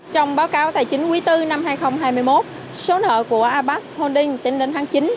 trong báo cáo tài chính quý tư năm hai nghìn hai mươi một số nợ của apex holdings tính đến tháng chín